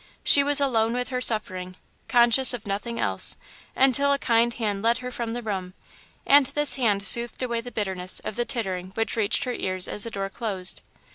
She was alone with her suffering, conscious of nothing else, until a kind hand led her from the room, and this hand soothed away the bitterness of the tittering which reached her ears as the door closed.